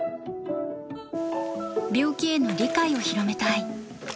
病気への理解を広めたい。